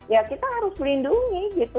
ya kita harus melindungi gitu